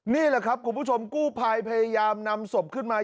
นี่แหละครับคุณผู้ชมกู้ภัยพยายามนำศพขึ้นมา